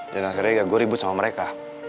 dan akhirnya gue ribut sama mereka